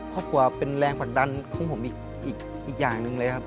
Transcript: ครอบครัวเป็นแรงผลักดันของผมอีกอย่างหนึ่งเลยครับ